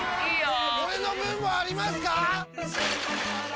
俺の分もありますか！？